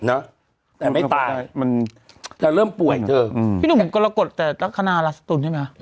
แต่ไม่ตายมันจะเริ่มป่วยเธออืมพี่หนุ่มกรกฎแต่ลักษณะลาสตุลใช่ไหม